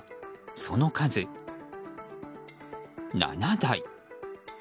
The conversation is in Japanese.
その数、７台。